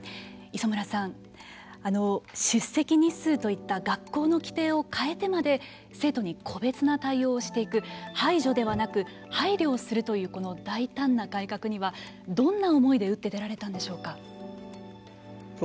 磯村さん、出席日数といった学校の規定を変えてまで生徒に個別な対応をしていく排除ではなく配慮をするというこの大胆な改革にはどんな思いで打って出られたんでしょうか。